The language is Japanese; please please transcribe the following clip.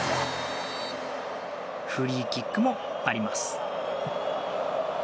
フリーキックもあります。